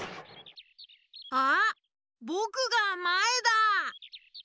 あっぼくがまえだ！